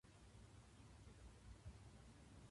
ウキウキな猿。